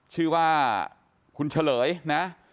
ชื่อว่าคุณเฉลยนะ